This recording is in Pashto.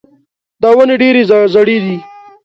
دا ونې ډېرې زاړې دي.